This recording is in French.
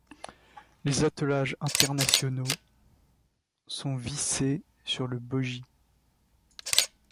Les attelages internationaux sont vissés sur le bogie.